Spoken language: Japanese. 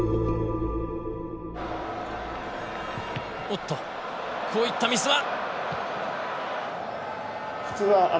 おっとこういったミスは。